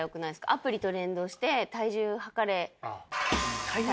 アプリと連動して体重測れたら。